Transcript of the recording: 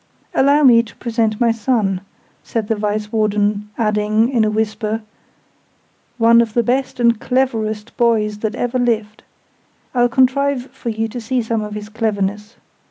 "Allow me to present my son," said the Vice warden; adding, in a whisper, "one of the best and cleverest boys that ever lived! I'll contrive for you to see some of his cleverness.